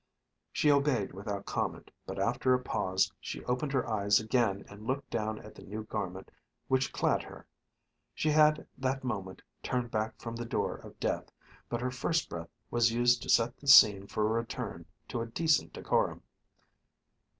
She obeyed without comment, but after a pause she opened her eyes again and looked down at the new garment which clad her. She had that moment turned back from the door of death, but her first breath was used to set the scene for a return to a decent decorum.